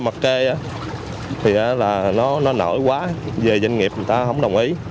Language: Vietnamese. xe mặt kê thì nó nổi quá về doanh nghiệp người ta không đồng ý